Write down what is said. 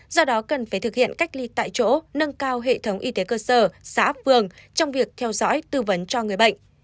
do đó cần phải thực hiện cách ly tại chỗ nâng cao hệ thống y tế cơ sở xã phường trong việc theo dõi tư vấn cho người bệnh